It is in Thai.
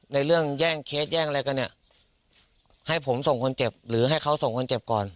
ในเรื่องแย่งเคสแย่งอะไรกันเนี่ยให้ผมส่งคนเจ็บหรือให้เขาส่งคนเจ็บก่อน